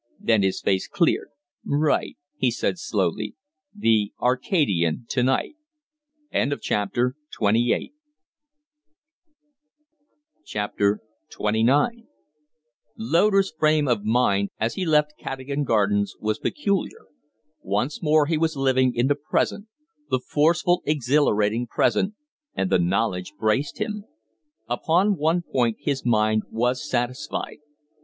Then his face cleared. "Right!" he said, slowly. "'The Arcadian' tonight!" XXIX Loder's frame of mind as he left Cadogan Gardens was peculiar. Once more he was living in the present the forceful, exhilarating present, and the knowledge braced him. Upon one point his mind was satisfied.